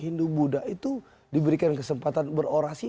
hindu buddha itu diberikan kesempatan berorasi